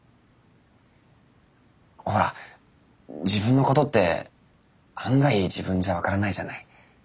ほら自分のことって案外自分じゃ分からないじゃない？